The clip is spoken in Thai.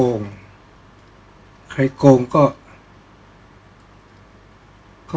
ก็ต้องทำอย่างที่บอกว่าช่องคุณวิชากำลังทำอยู่นั่นนะครับ